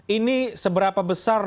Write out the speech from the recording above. ini seberapa besar